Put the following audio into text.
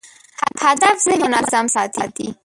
هدف ذهن منظم ساتي.